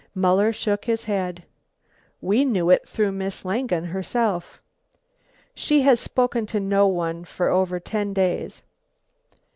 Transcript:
Muller shook his head. "We knew it through Miss Langen herself." "She has spoken to no one for over ten days."